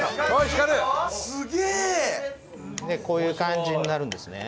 光さん：こういう感じになるんですね。